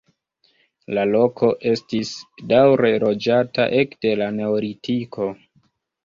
La loko estis daŭre loĝata ekde la neolitiko.